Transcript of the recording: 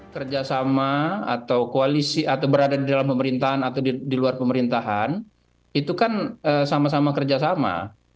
kerjasama atau koalisi atau berada di dalam pemerintahan atau di luar pemerintahan itu kan sama sama kerjasama